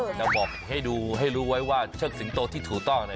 จะบอกให้ดูให้รู้ไว้ว่าเชิดสิงโตที่ถูกต้อง